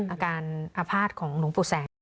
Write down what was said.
อาการอาภาษณ์ของหลวงปู่แสง